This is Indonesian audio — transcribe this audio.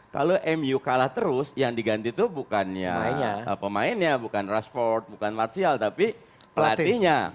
kalau mu kalah terus yang diganti itu bukannya pemainnya bukan rashford bukan martial tapi pelatihnya